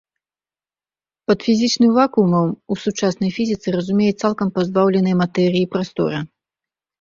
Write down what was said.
Пад фізічным вакуумам у сучаснай фізіцы разумеюць цалкам пазбаўленай матэрыі прастора.